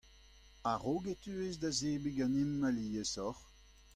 a-raok e teues da zebriñ ganeomp aliesoc'h.